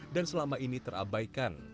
dan selama ini terabaikan